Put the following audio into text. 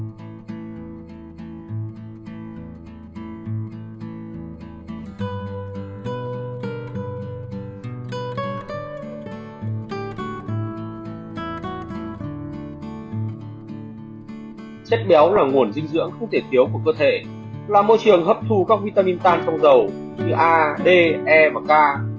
các chất béo là nguồn dinh dưỡng không thể thiếu của cơ thể làm môi trường hấp thu các vitamin t trong dầu như a d e k